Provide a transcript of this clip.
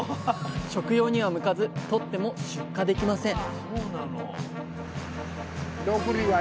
食用には向かずとっても出荷できません